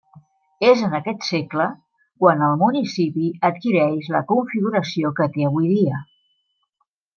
És en aquest segle quan el municipi adquireix la configuració que té avui dia.